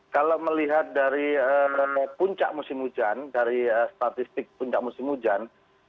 kalau melihat dari puncak musim hujan dari statistik puncak musim hujan